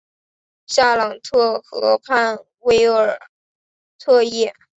夏朗特河畔韦尔特伊。